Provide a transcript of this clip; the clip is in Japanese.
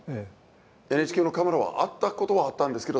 ＮＨＫのカメラはあったことはあったんですけど